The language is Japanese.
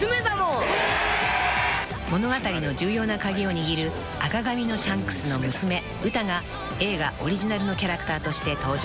［物語の重要な鍵を握る赤髪のシャンクスの娘ウタが映画オリジナルのキャラクターとして登場］